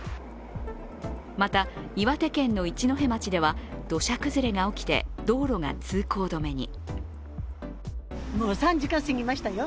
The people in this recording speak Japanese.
また、岩手県の一戸町では土砂崩れが起きて道路が通行止めに。